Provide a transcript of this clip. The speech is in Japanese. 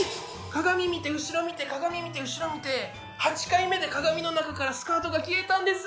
鏡見て後ろ見て鏡見て後ろ見て８回目で鏡の中からスカートが消えたんです。